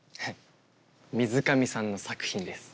水上さんの作品です。